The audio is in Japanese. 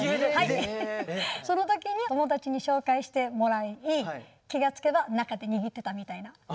その時に友達に紹介してもらい気が付けば中で握ってたみたいな。